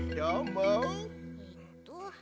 えっと。